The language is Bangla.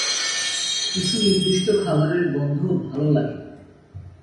কিছু নির্দিষ্ট খাবারের গন্ধ ভালো লাগে না।